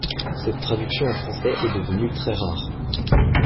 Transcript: Cette traduction en français est devenue très rare.